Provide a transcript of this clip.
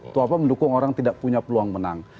itu apa mendukung orang tidak punya peluang menang